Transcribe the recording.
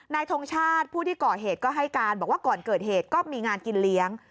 ทงชาติผู้ที่ก่อเหตุก็ให้การบอกว่าก่อนเกิดเหตุก็มีงานกินเลี้ยง